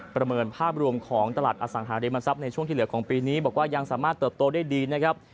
ประเมินภาพรวมของตลาดอสังหาริมทรัพย์ในช่วงที่เหลือของปีนี้บอกว่ายังสามารถเติบโตได้ดีนะครับ